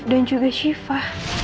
dan juga siva